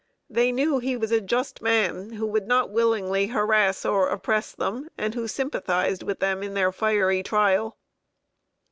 They knew he was a just man, who would not willingly harass or oppress them, and who sympathized with them in their fiery trial.